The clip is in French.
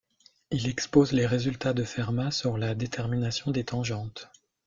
Il expose les résultats de Fermat sur la détermination des tangentes.